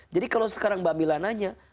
jadi kalau sekarang mbak mila nanya